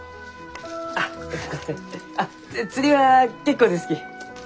あっ釣りは結構ですき。